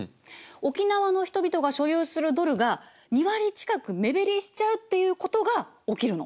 沖縄の人々が所有するドルが２割近く目減りしちゃうっていうことが起きるの。